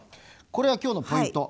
これが今日のポイント！